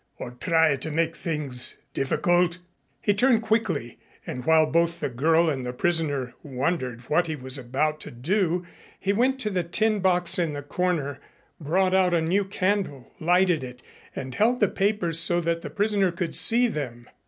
Or try to make things difficult?" He turned quickly and while both the girl and the prisoner wondered what he was about to do, he went to the tin box in the corner, brought out a new candle, lighted it and held the papers so that the prisoner could see them.